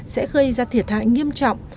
sẽ gây ra thiệt hại nghiêm trọng